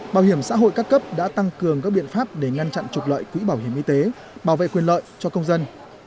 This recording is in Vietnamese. bảo hiểm xã hội các cấp đã tăng cường các biện pháp để ngăn chặn trục lợi quỹ bảo hiểm y tế bảo vệ quyền lợi cho công dân